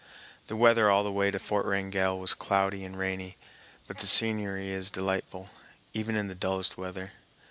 The weather all the way to Fort Wrangell was cloudy and rainy, but the scenery is delightful even in the dullest weather.